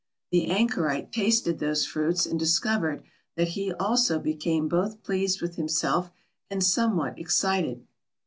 The anchorite tasted those fruits and discovered that he also became both pleased with himself and somewhat excited.